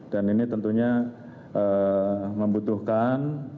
dan ini tentunya membutuhkan